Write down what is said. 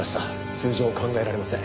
通常考えられません。